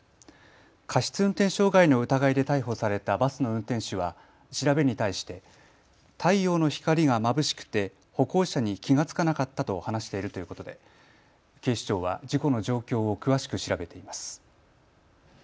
過失運転傷害の疑いで逮捕されたバスの運転手は調べに対して太陽の光がまぶしくて歩行者に気が付かなかったと話しているということで警視庁は事故の状況を詳しく調べています。